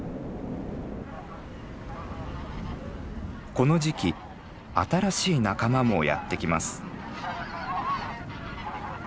この時期新しい仲間もやって来ます。